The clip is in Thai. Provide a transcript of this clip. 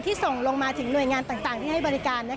ส่งลงมาถึงหน่วยงานต่างที่ให้บริการ